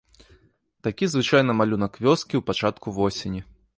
Такі звычайна малюнак вёскі ў пачатку восені.